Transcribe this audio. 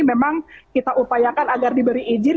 memang kita upayakan agar diberi izin